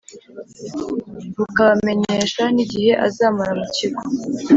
bukabamenyesha n igihe azamara mu Kigo